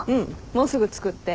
もうすぐ着くって。